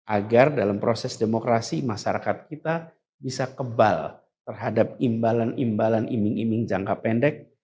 agar dalam proses demokrasi masyarakat kita bisa kebal terhadap imbalan imbalan iming iming jangka pendek